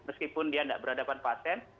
meskipun dia tidak berhadapan pasien